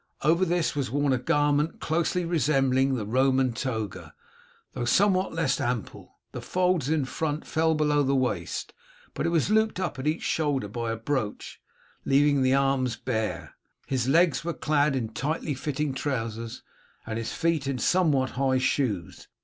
Over this was worn a garment closely resembling the Roman toga, though somewhat less ample. The folds in front fell below the waist, but it was looped up at each shoulder by a brooch, leaving the arms bare. His legs were clad in tightly fitting trousers, and his feet in somewhat high shoes.